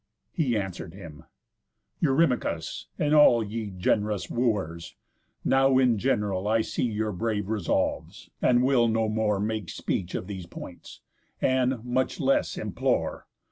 He answer'd him: "Eurymachus, and all Ye gen'rous Wooers, now, in general, I see your brave resolves, and will no more Make speech of these points, and, much less, implore.